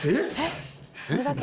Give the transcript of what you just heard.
えっ！？